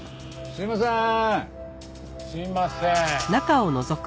すいません。